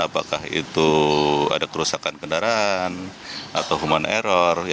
apakah itu ada kerusakan kendaraan atau human error